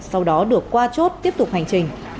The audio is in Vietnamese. sau đó được qua chốt tiếp tục hành trình